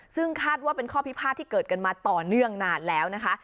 ซึ่งคาดว่าเป็นข้อพิพาทที่เกิดกันมาต่อเนื่องนานแล้วนะคะ